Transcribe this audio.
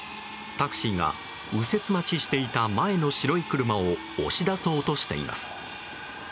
タクシーが右折待ちしていた前の白い車を押し出そうとしています。